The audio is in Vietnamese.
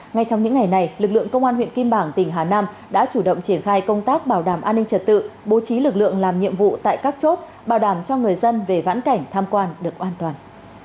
ngay trong những ngày này lực lượng công an huyện kim bảng tỉnh hà nam đã chủ động triển khai công tác bảo đảm an ninh trật tự bố trí lực lượng làm nhiệm vụ tại các chốt bảo đảm cho người dân về vãn cảnh tham quan được an toàn